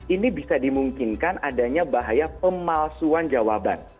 ini bisa dimungkinkan adanya bahaya pemalsuan jawaban